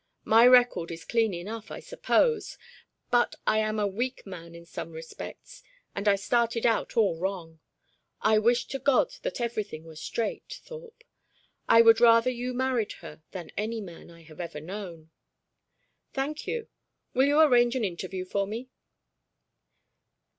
My record is clean enough, I suppose; but I am a weak man in some respects, and I started out all wrong. I wish to God that everything were straight, Thorpe; I would rather you married her than any man I have ever known." "Thank you. Will you arrange an interview for me?"